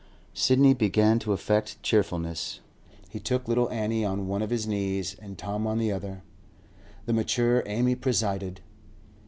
Sidney began to affect cheerfulness. He took little Annie on one of his knees, and Tom on the other. The mature Amy presided.